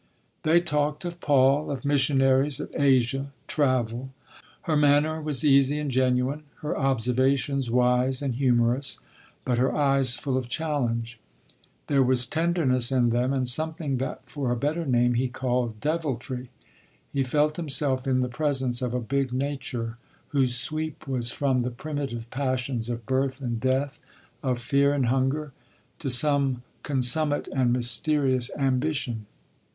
... They talked of Paul, of missionaries, of Asia, travel. Her manner was easy and genuine, her observations wise and humorous, but her eyes full of challenge. There was tenderness in them, and something that for a better name he called deviltry. He felt himself in the presence of a big nature, whose sweep was from the primitive passions of birth and death, of fear and hunger, to some consummate and mysterious ambition.